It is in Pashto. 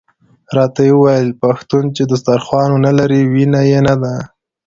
راته ویل یې پښتون چې دسترخوان ونه لري وینه یې نده.